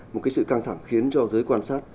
một cái sự căng thẳng khiến cho giới quan sát